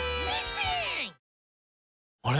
あれ？